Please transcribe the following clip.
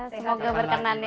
semoga berkenan ya